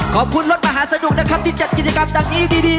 ขอบคุณรถมาหาสนุกนะครับที่จัดกิจกรรมจังงี้ดี